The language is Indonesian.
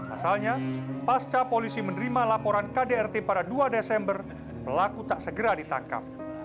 asalnya pasca polisi menerima laporan kdrt pada dua desember pelaku tak segera ditangkap